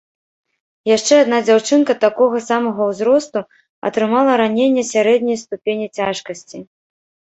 Яшчэ адна дзяўчынка такога самага ўзросту атрымала раненне сярэдняй ступені цяжкасці.